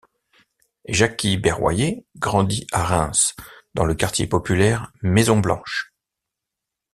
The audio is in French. Jackie Berroyer grandit à Reims, dans le quartier populaire Maison-Blanche.